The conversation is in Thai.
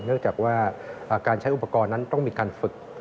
เนื่องจากว่าการใช้อุปกรณ์นั้นต้องมีการฝึก